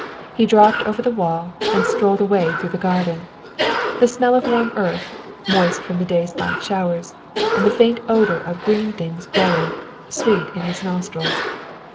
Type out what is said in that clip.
He dropped over the wall and strolled away through the garden, the smell of warm earth, moist from the day's light showers, and the faint odor of green things growing, sweet in his nostrils.